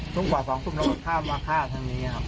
ทุ่มกว่า๒ทุ่มแล้วก็มาฆ่าทางนี้ครับ